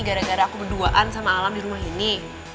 gara gara aku berduaan sama alam di rumah ini